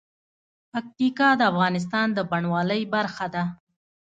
پکتیکا د افغانستان د بڼوالۍ برخه ده.